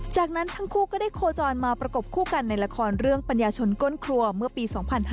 จากนั้นทั้งคู่ก็ได้โคจรมาประกบคู่กันในละครเรื่องปัญญาชนก้นครัวเมื่อปี๒๕๕๙